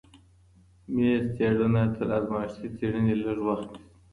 میز څېړنه تر ازمایښتي څېړنې لږ وخت نیسي.